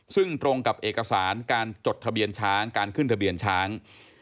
ซึ่งตรงกับเอกสารการจดทะเบียนช้างการขึ้นทะเบียนช้าง